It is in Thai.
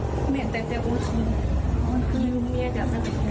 เหมือนแต่เจ็บโอที